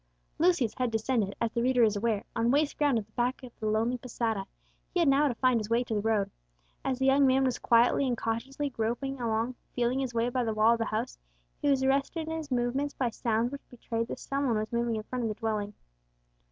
Lucius had descended, as the reader is aware, on waste ground at the back of the lonely posada; he had now to find his way to the road. As the young man was quietly and cautiously groping along, feeling his way by the wall of the house, he was arrested in his movements by sounds which betrayed that some one was moving in front of the dwelling.